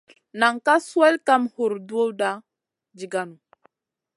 Nan ka swel kam hurduwda jiganou.